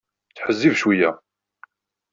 Ttḥezzib cwiya.